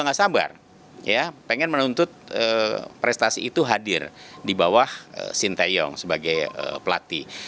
gak sabar ya pengen menuntut prestasi itu hadir di bawah sinteyong sebagai pelatih